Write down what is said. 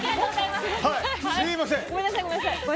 すいません。